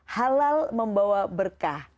halal membawa berkah